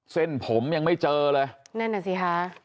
เส้นผมยังไม่เจอเลย